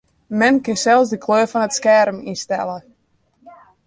Men kin sels de kleur fan it skerm ynstelle.